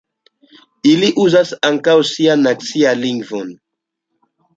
Ili uzas ankaŭ sian nacian lingvon.